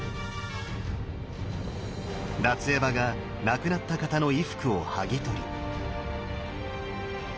奪衣婆が亡くなった方の衣服を剥ぎ取り。